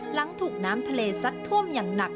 หลังถูกน้ำทะเลซัดท่วมอย่างหนัก